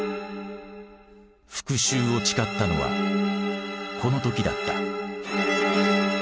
復讐を誓ったのはこの時だった。